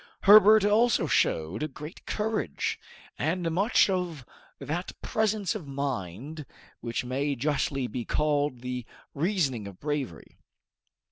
Herbert also showed great courage and much of that presence of mind which may justly be called "the reasoning of bravery."